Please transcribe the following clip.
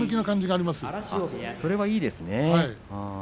それはいいですね。